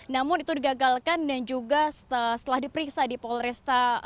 namun itu digagalkan dan juga setelah diperiksa di polresta